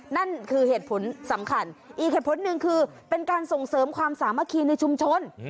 นั่นคือเหตุผลสำคัญอีกเหตุผลหนึ่งคือเป็นการส่งเสริมความสามัคคีในชุมชน